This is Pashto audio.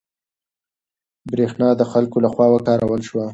برېښنا د خلکو له خوا وکارول شوه.